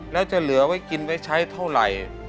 แล้วจะเหลือไว้กินไว้ใช้เท่าไหร่